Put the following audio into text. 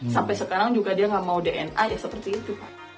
sampai sekarang juga dia nggak mau dna ya seperti itu pak